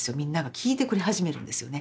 聞いてくれ始めるんですよね